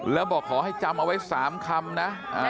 แล้วบอกขอให้จำเอาไว้๓คำนะ